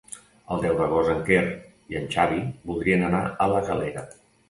El deu d'agost en Quer i en Xavi voldrien anar a la Galera.